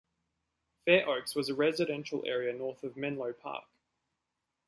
Fair Oaks was a residential area north of Menlo Park.